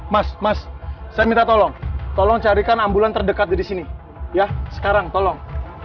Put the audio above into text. mas mas saya minta tolong tolong carikan ambulan terdekat disini ya sekarang tolong